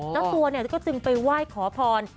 เจ้าตัวก็จึงไปไหว้ขอพร